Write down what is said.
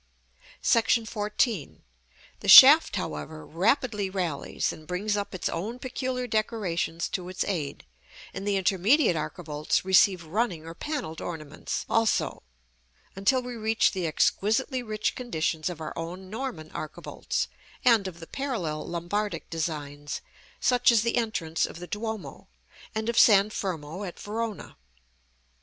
§ XIV. The shaft, however, rapidly rallies, and brings up its own peculiar decorations to its aid; and the intermediate archivolts receive running or panelled ornaments, also, until we reach the exquisitely rich conditions of our own Norman archivolts, and of the parallel Lombardic designs, such as the entrance of the Duomo, and of San Fermo, at Verona.